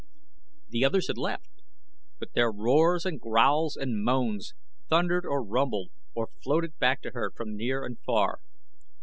The others had left, but their roars, and growls, and moans thundered or rumbled, or floated back to her from near and far.